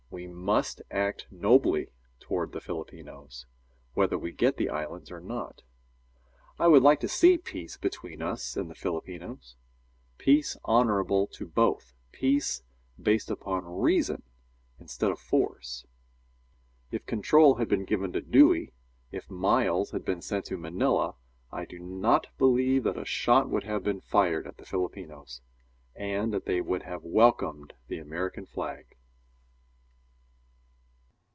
We must act nobly toward the Filipinos, whether we get the islands or not. I would like to see peace between us and the Filipinos; peace honorable to both; peace based on reason instead of force. If control had been given to Dewey, if Miles had been sent to Manila, I do not believe that a shot would have been fired at the Filipinos, and that they would have welcomed the American flag.